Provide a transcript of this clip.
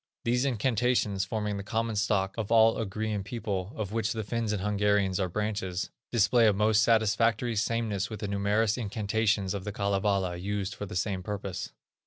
These incantations, forming the common stock of all Ugrian peoples, of which the Finns and Hungarians are branches, display a most satisfactory sameness with the numerous incantations of the Kalevala used for the same purpose.